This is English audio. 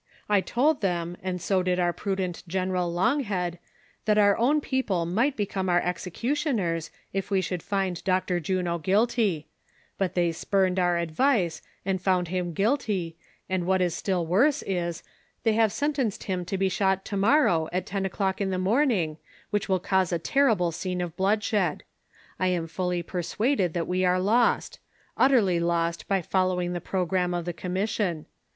I told them, and so did our prudent General Longhead, that our own people might become our executioners, if we should find Dr. Juno guilty ; but tliey spurned our advice, and found him gnilty, and what is still worse, is, they have sentenced him to be shot to morrow, at ten o'clock in the morning, which will cause a terrible scene of bloodshed. I am fully persuaded that we are lost ; utterly lost by following the programme of the commission.